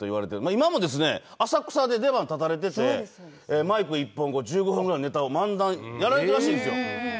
今もですね、浅草で出番立たれてて、マイク１本、１５分ぐらいのネタを漫談、やられているらしいんですよ。